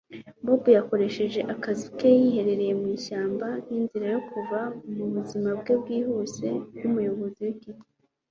Bobo yakoresheje akazu ke yiherereye mu ishyamba nkinzira yo kuva mu buzima bwe bwihuse nkumuyobozi wikigo